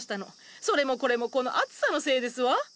それもこれもこの暑さのせいですわ！